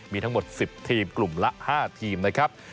มีทั้งหมด๑๐ทีมกลุ่มละ๕ทีมนะครับ